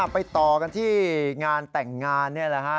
ไปต่อกันที่งานแต่งงานนี่แหละฮะ